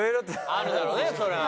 あるだろうねそれは。